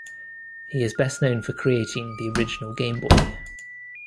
He is best known for creating the original Game Boy.